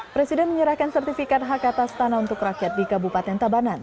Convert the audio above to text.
presiden menyerahkan sertifikat hak atas tanah untuk pembukaan rapat kerja